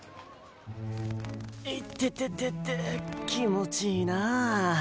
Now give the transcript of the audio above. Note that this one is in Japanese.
いててて気持ちいいなあ。